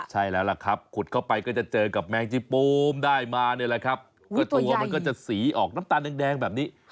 ใช่แล้วล่ะครับขุดเข้าไปก็จะเจอกับแมงจีโปมได้มานี่แหละครับก็ตัวมันก็จะสีออกน้ำตาลแดงแบบนี้